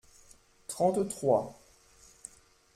Trente-trois.